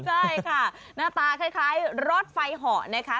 ใช่ค่ะหน้าตาคล้ายรถไฟเหาะนะคะ